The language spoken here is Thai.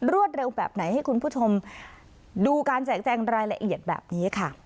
รวดเร็วแบบไหนให้คุณผู้ชมดูการแจกแจงรายละเอียดแบบนี้ค่ะ